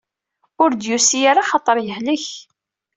Ur d-yusi ara axaṭer yehlek.